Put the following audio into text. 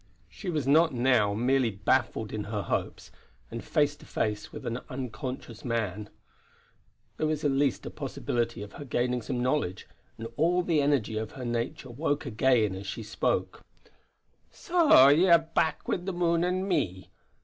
She was not now merely baffled in her hopes, and face to face with an unconscious man; there was at least a possibility of her gaining some knowledge, and all the energy of her nature woke again as she spoke: "So ye are back wi' the moon and me.